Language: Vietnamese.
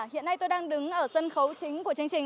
hiện nay tôi đang đứng ở sân khấu chính của chương trình